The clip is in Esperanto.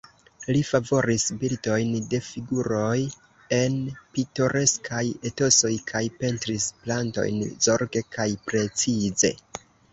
Li favoris bildojn de figuroj en pitoreskaj etosoj kaj pentris plantojn zorge kaj precize.